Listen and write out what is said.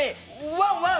ワンワン。